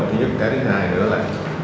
thứ nhất cái thứ hai nữa là